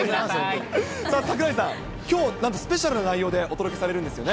櫻井さん、きょう、なんとスペシャルな内容でお届けされるんですよね？